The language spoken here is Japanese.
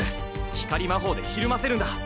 光まほうでひるませるんだ。